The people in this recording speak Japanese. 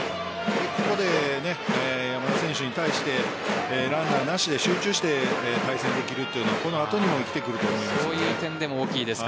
ここで山田選手に対してランナーなしで集中して対戦できるというのはこの後にも生きてくると思います。